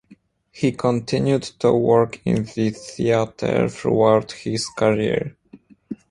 He continued to work in the theatre throughout his career.